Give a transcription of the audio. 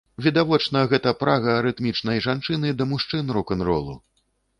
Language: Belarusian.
Відавочна, гэта прага арытмічнай жанчыны да мужчын рок-н-ролу.